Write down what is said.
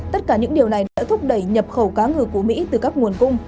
tất cả những điều này đã thúc đẩy nhập khẩu cá ngừ của mỹ từ các nguồn cung